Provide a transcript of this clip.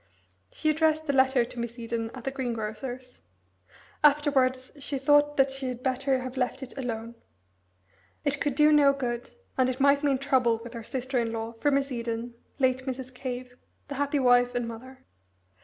She addressed the letter to Miss Eden at the greengrocer's. Afterwards she thought that she had better have left it alone. It could do no good, and it might mean trouble with her sister in law, for Miss Eden, late Mrs. Cave, the happy wife and mother.